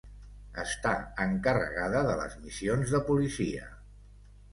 Està encarregada de les missions de policia.